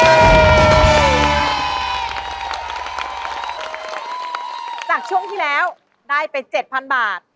ช่วงที่แล้วได้ไป๗๐๐บาท